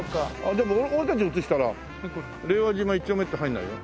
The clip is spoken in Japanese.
でも俺たち写したら「令和島一丁目」って入んないよ。